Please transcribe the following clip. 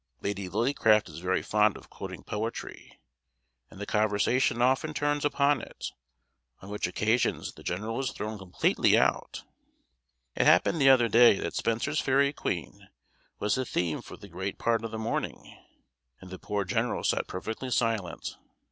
Lady Lillycraft is very fond of quoting poetry, and the conversation often turns upon it, on which occasions the general is thrown completely out. It happened the other day that Spenser's Fairy Queen was the theme for the great part of the morning, and the poor general sat perfectly silent.